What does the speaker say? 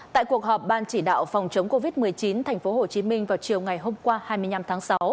tại cuộc họp ban chỉ đạo phòng chống covid một mươi chín tp hcm vào chiều ngày hôm qua hai mươi năm tháng sáu